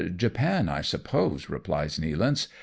"Japan, I suppose/' replies Nealance.